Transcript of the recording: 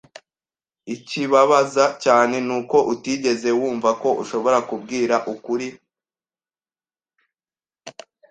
Ikibabaza cyane nuko utigeze wumva ko ushobora kumbwira ukuri.